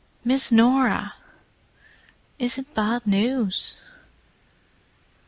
"Miss Norah! Is it bad news?"